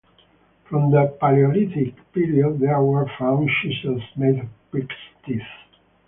From the paleolithic period there were found chisels made of pigs teeth.